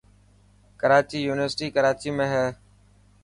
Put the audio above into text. ڪراچي يونيورسٽي ڪراچي ۾ هي.